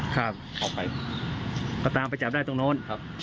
แล้วตามไปจับได้ตรงโน่น